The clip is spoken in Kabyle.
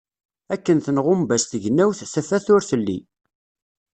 Akken tenɣumbas tegnawt, tafat ur telli.